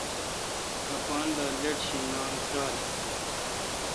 اپان دا لیٹ شینانگ ترال